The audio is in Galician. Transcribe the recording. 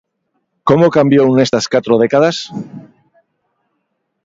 Como cambiou nestas catro décadas?